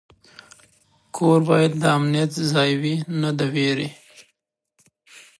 کور باید د امنیت ځای وي، نه د ویرې.